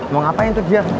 mau ngapain tuh dia